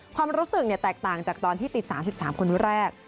ความรู้สึกแตกต่างจากตอนที่ติด๓๓คนแรก